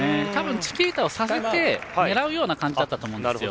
チキータをさせて狙うような感じだったと思います。